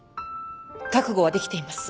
覚悟はできています